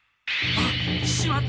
あっ！